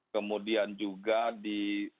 kemudian juga di